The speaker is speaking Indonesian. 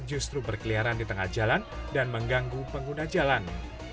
justru berkeliaran di tengah jalan dan mengganggu pengguna jalan